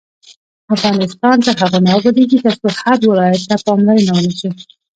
افغانستان تر هغو نه ابادیږي، ترڅو هر ولایت ته پاملرنه ونشي.